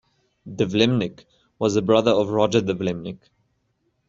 De Vlaeminck was the brother of Roger De Vlaeminck.